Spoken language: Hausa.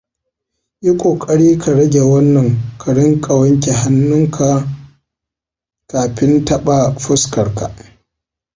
yi kokari ka rage wannan ka rinka wanke hannuk ka kafin taba fuskar ka.